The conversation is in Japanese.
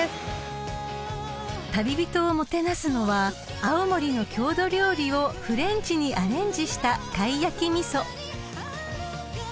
［旅人をもてなすのは青森の郷土料理をフレンチにアレンジした貝焼き味噌］